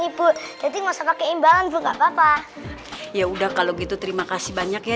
ini pun jadi masa pakai imbalan juga papa ya udah kalau gitu terima kasih banyak ya